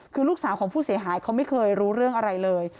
คือลูกสาวของผู้เสียหายเขาไม่เคยรู้เรื่องอะไรเลย